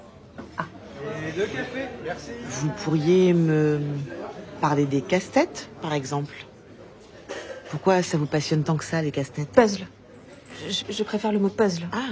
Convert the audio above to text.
ああ。